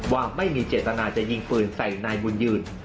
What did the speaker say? ว่าไม่มีเจตนาจะยิงปืนใส่นายบุญยืน